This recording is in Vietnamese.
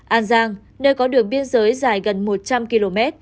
an giang nơi có đường biên giới dài gần một trăm linh km